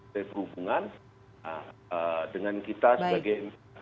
dari perhubungan dengan kita sebagai